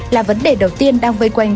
là vấn đề đầu tiên đang vây quanh